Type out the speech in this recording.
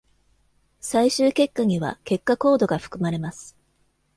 最終結果には結果コードが含まれます。